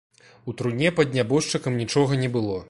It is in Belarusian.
У труне пад нябожчыкам нічога не было.